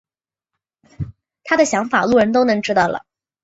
他的想法路人都能知道了。